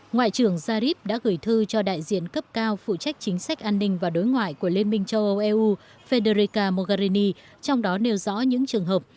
ngoại trưởng zarif đã gửi thư cho đại diện cấp cao phụ trách chính sách an ninh và đối ngoại của liên minh châu âu eu federica mogherini trong đó nêu rõ những trường hợp